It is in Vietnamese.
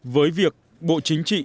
với việc bộ chính trị